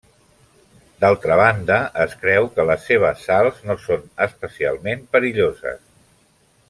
D'altra banda, es creu que les seves sals no són especialment perilloses.